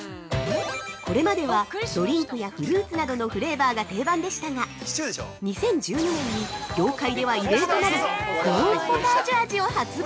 ◆これまでは、ドリンクやフルーツなどのフレーバーが定番でしたが２０１２年に、業界では異例となる「コーンポタージュ味」を発売。